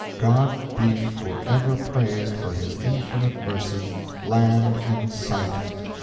God be for ever praised for His infinite mercy! LAND IN SIGHT!